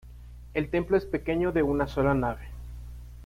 El templo es pequeño de una sola nave.